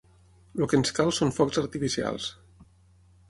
El que ens cal són focs artificials.